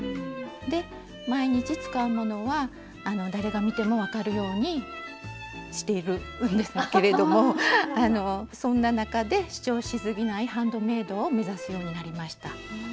で毎日使うものは誰が見ても分かるようにしているんですけれどもそんな中で主張しすぎないハンドメイドを目指すようになりました。